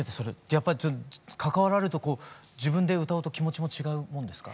やっぱり関わられると自分で歌うと気持ちも違うもんですか？